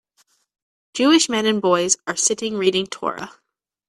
Jewish men and boys r sitting reading Torah.